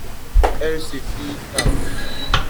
Elles se firent face.